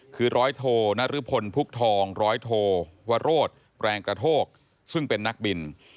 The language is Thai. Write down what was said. คือร้อยโทนรพลพุกทองร้อยโทวโรธแปลงกระโทกซึ่งเป็นนักบิน